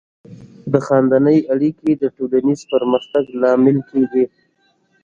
د خاندنۍ اړیکې د ټولنیز پرمختګ لامل کیږي.